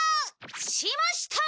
しました！